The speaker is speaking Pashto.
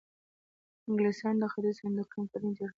انګلیسانو د ختیځ هند کمپنۍ جوړه کړه.